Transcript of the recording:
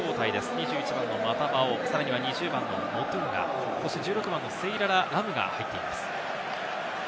２１番のマタヴァオ、２０番のモトゥンガ、１６番のセイララ・ラムが入っています。